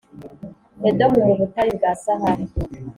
Edomu mu butayu bwa sahara